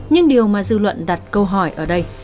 nhưng điều mà dư luận đặt câu hỏi ở đây